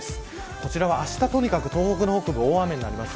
こちらはあした東北の北部が大雨になります。